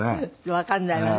わかんないわね。